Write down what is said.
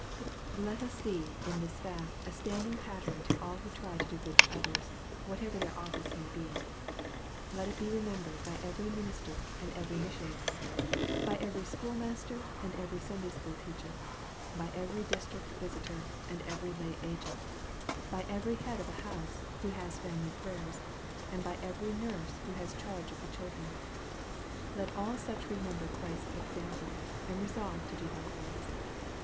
Let us see in this fact a standing pattern to all who try to do good to others, whatever their office may be. Let it be remembered by every minister and every missionary by every schoolmaster and every Sunday school teacher by every district visitor and every lay agent by every head of a house who has family prayers and by every nurse who has the charge of children. Let all such remember Christ's example, and resolve to do likewise.